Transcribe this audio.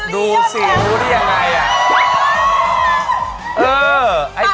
ดูสิรู้ได้ยังไงอ่ะ